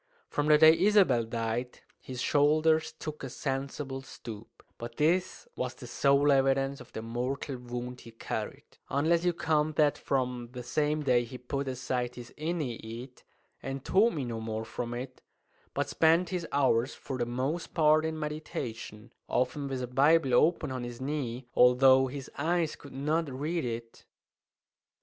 From the day Isabel died his shoulders took a sensible stoop; but this was the sole evidence of the mortal wound he carried, unless you count that from the same day he put aside his "Aeneid," and taught me no more from it, but spent his hours for the most part in meditation, often with a Bible open on his knee although his eyes could not read it.